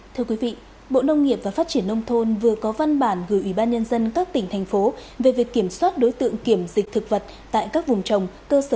thưa quý vị bộ nông nghiệp và phát triển nông thôn vừa có văn bản gửi ủy ban nhân dân các tỉnh thành phố về việc kiểm soát đối tượng kiểm dịch thực vật tại các vùng trồng cơ sở